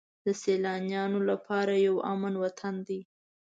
د سیلانیانو لپاره یو امن وطن دی.